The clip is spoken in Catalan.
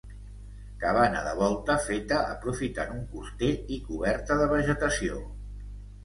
Cabana de volta feta aprofitant un coster i coberta de vegetació.